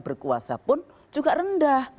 berkuasa pun juga rendah